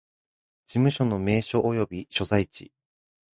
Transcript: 事務所の名称及び所在地